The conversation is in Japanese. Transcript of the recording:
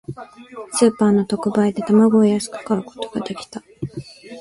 スーパーの特売で、卵を安く買うことができた。